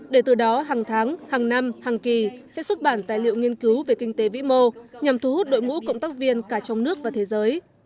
để từ đó hàng tháng hàng năm hàng kỳ sẽ xuất bản tài liệu nghiên cứu về kinh tế vĩ mô nhằm thu hút đội ngũ cộng tác viên cả trong nước và thế giới